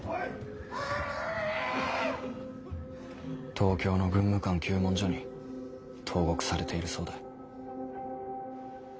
東京の軍務官糾問所に投獄されているそうだ。